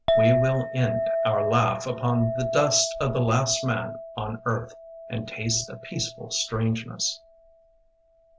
We will end our laugh Upon the dust of the last man on earth And taste a peaceful strangeness.